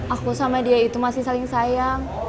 aku sama dia itu masih saling sayang